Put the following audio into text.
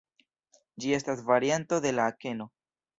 Ĝi estas varianto de la akeno.